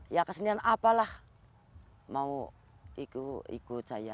ya kesenian apalah mau ikut saya